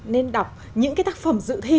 nên đọc những cái tác phẩm dự thi